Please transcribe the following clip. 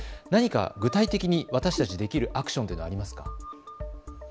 何か具体的に私たちにできるアクションというのはありますか。